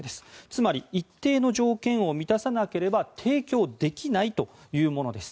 つまり一定の条件を満たさなければ提供できないというものです。